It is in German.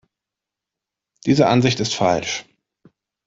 Diese Ansicht ist falsch.